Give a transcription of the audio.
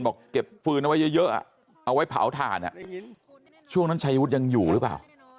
บอกเก็บฟืนเอาไว้เยอะเอาไว้เผาถ่านช่วงนั้นชายวุฒิยังอยู่หรือเปล่า